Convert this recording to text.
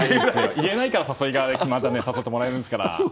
言えないから誘う側にまた誘ってもらえるんですから。